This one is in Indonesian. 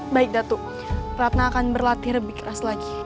baik datuk ratna akan berlatih lebih keras lagi